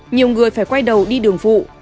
nhiều người phải quay đầu đi đường vụ